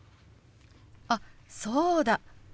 あそうだ。